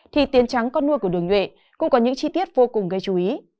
thì tiên trắng con nuôi của đường nguyễn cũng có những chi tiết vô cùng gây chú ý